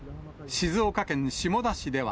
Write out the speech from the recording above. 静岡県下田市では。